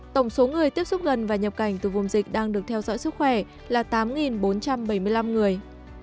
tổng số người tiếp xúc gần và nhập cảnh từ vùng dịch đang được theo dõi sức khỏe là tám bốn trăm bảy mươi năm người